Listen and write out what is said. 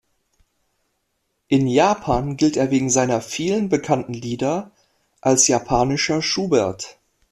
In Japan gilt er wegen seiner vielen bekannten Lieder als „japanischer Schubert“.